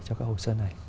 cho các hồ sơ này